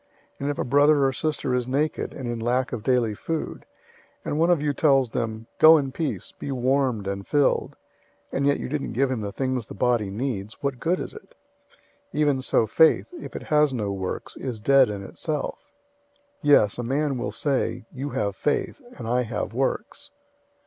002:015 And if a brother or sister is naked and in lack of daily food, 002:016 and one of you tells them, "Go in peace, be warmed and filled;" and yet you didn't give them the things the body needs, what good is it? 002:017 Even so faith, if it has no works, is dead in itself. 002:018 Yes, a man will say, "You have faith, and I have works."